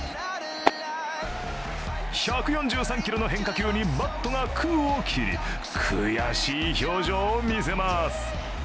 １４３キロの変化球にバットが空を切り悔しい表情を見せます。